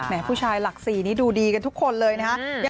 แหม่ผู้ชายหลัก๔นี้ดูดีกันทุกคนเลยนะครับ